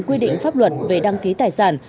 quy định pháp luật về đăng ký tài sản